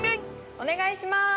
お願いします！